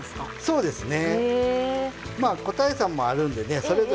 そうですね。